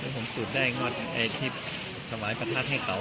ผมตัวแรกสวายประทับให้เขา